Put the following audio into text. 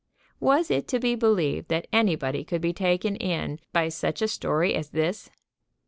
Was it to be believed that anybody could be taken in by such a story as this?